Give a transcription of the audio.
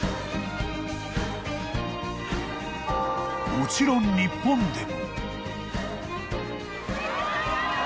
［もちろん日本でも］